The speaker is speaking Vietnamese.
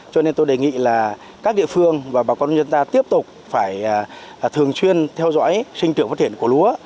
cho nên tôi đề nghị là các địa phương và bà con nhân ta tiếp tục phải thường xuyên theo dõi sinh trưởng phát triển của lúa